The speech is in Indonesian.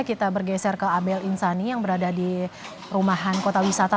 kita bergeser ke abel insani yang berada di rumahan kota wisata